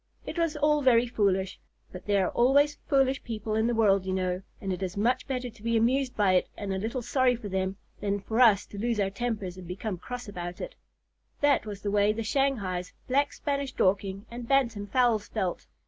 It was all very foolish, but there are always foolish people in the world, you know, and it is much better to be amused by it and a little sorry for them, than for us to lose our tempers and become cross about it. That was the way the Shanghais, Black Spanish, Dorking, and Bantam fowls felt.